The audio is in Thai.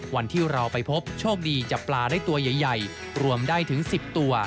วันที่เราไปพบโชคดีจับปลาได้ตัวใหญ่รวมได้ถึง๑๐ตัว